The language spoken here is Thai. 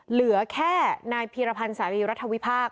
เหลือแค่นายพีรพันธ์สารีรัฐวิพากษ